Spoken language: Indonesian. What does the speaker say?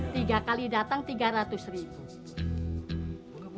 tiga kali datang tiga ratus ribu